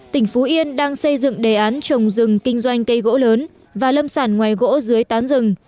tỉnh phú yên đang xây dựng đề án trồng rừng kinh doanh cây gỗ lớn và lâm sản ngoài gỗ dưới tán rừng